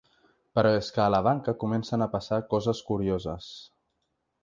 Però és que a la banca comencen a passar coses curioses.